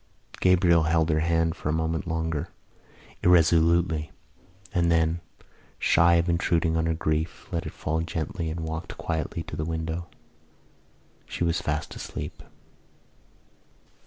Gabriel held her hand for a moment longer, irresolutely, and then, shy of intruding on her grief, let it fall gently and walked quietly to the window. She was fast asleep.